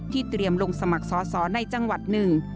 เตรียมลงสมัครสอสอในจังหวัดหนึ่ง